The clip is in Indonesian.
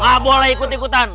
nggak boleh ikut ikutan